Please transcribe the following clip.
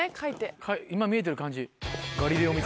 今見えてる漢字。